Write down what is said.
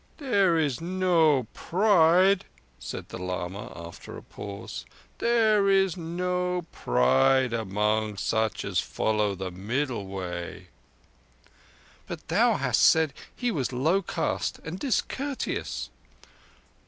"There is no pride," said the lama, after a pause, "there is no pride among such as follow the Middle Way." "But thou hast said he was low caste and discourteous."